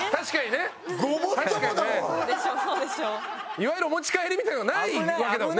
いわゆるお持ち帰りみたいな事がないわけだもんね。